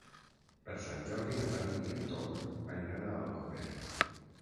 Per Sant Jordi na Tanit i en Ton aniran a Alcover.